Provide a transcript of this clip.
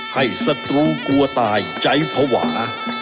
ให้ศัตรูกลัวตายใจภวา